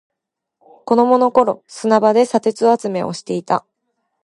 子供の頃、砂場で砂鉄集めをしていた。